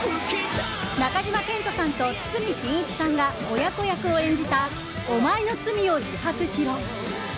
中島健人さんと堤真一さんが親子役を演じた「おまえの罪を自白しろ」。